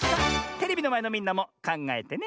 テレビのまえのみんなもかんがえてね。